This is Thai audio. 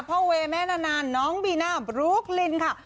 พ่อเวแม่นานานน้องบีน่าบลูกลิ้นค่ะ